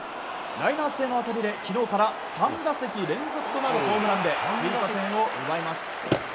ライナー性の当たりで昨日から３打席連続となるホームランで追加点を奪います。